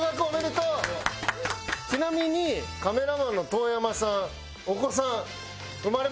ちなみにカメラマンの遠山さん。